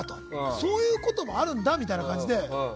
そういうこともあるんだって感じで。